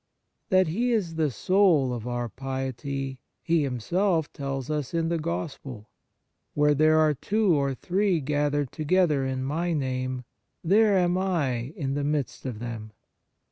That He is the soul of our piety, He Himself tells us in the Gospel : "Where there are two or three gathered together in My name, there am I in the midst of them."